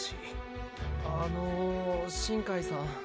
あの新開さん